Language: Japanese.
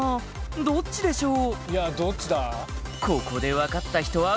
どっちでしょう？